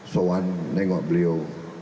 sowan nengok beliau